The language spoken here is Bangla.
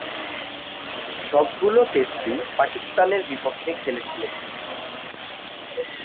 সবগুলো টেস্টই পাকিস্তানের বিপক্ষে খেলেছিলেন তিনি।